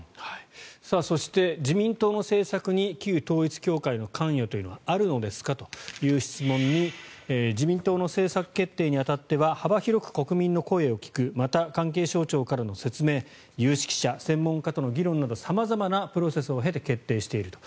そして自民党の政策に旧統一教会の関与というのはあるのですかという質問に自民党の政策決定に当たっては幅広く国民の声を聴くまた関係省庁からの説明有識者、専門家との議論など様々なプロセスを経て決定していると。